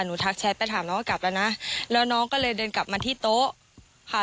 ทักแชทไปถามน้องก็กลับแล้วนะแล้วน้องก็เลยเดินกลับมาที่โต๊ะค่ะ